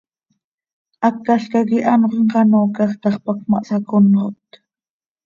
Hácalca quih anxö imxanoocaj tax, pac ma hsaconxot.